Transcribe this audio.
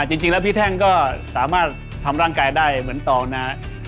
จริงแล้วพี่แท่งก็สามารถทำร่างกายได้เหมือนตองนะฮะ